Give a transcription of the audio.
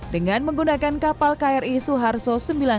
dengan menggunakan kapal kri suharto sembilan ratus sembilan puluh